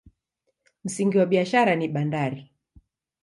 Msingi wa biashara ni bandari.